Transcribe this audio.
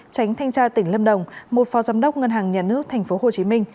tránh thanh tra tỉnh lâm đồng một phó giám đốc ngân hàng nhà nước tp hcm